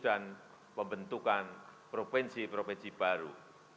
dan pembentukan provinsi provinsi baru